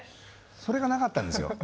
それがなかったんですよ。